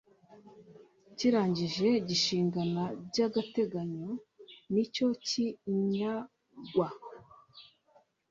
kirangije gishingana by agateganyo nicyo cy inyagwa